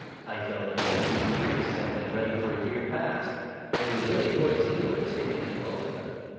I tell them that you in Greece have been ready for a year past ; and it was really your zeal that stimulated most of them.